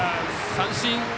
三振。